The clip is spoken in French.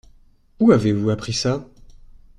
Où avez-vous appris ça ?